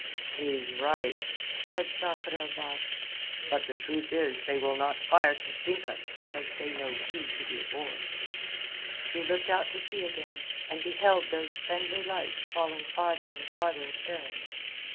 "He is right," said Sakr el Bahr. "But the truth is that they will not fire to sink us because they know you to be aboard." She looked out to sea again, and beheld those friendly lights falling farther and farther astern.